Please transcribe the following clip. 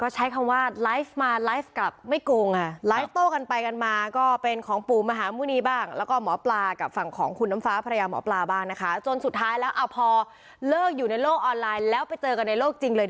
ช่วงนี้ว่านี่คือบุญคุณผมไม่เคยเจอ